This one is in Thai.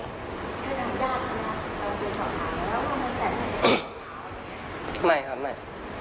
คุณทางญาติคำถามว่าจะสอบถามแล้วแล้วว่ามันแสนมาจากไหน